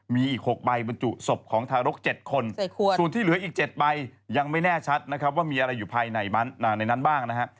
มีอีก๖ใบบรรจุศพของทารก๗คนส่วนที่เหลืออีก๗ใบยังไม่แน่ชัดนะครับว่ามีอะไรอยู่ภายในนั้นบ้างนะฮะ